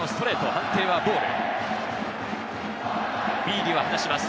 判定はボール。